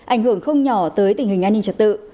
ảnh hưởng không nhỏ tới tình hình an ninh trật tự